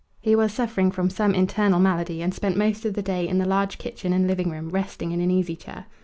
He was suffering from some internal malady, and spent most of the day in the large kitchen and living room, resting in an easy chair.